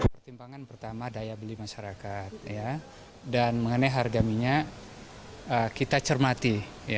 pertimbangan pertama daya beli masyarakat dan mengenai harga minyak kita cermati